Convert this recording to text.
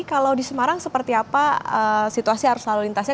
kalau di semarang seperti apa situasi harus lalu lintasnya